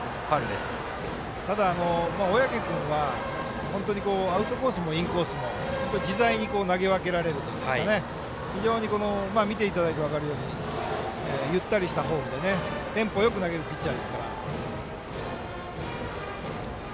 ただ、小宅君は本当にアウトコースもインコースも本当に自在に投げ分けられるといいますかね非常に見ていただいたら分かるようにゆったりしたフォームでテンポよく投げるピッチャーですから。